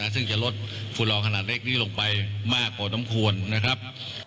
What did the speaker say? ซึ่งจะลดฝุ่นลองขนาดเล็กนี้ลงไปมากกว่าน้ำควรนะครับ